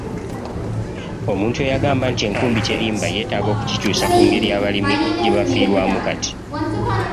Omuntu eyagamba nti enkumbi terimba yetaaga okukikyusa ku ngeri abalimi gye bafiirwamu kati.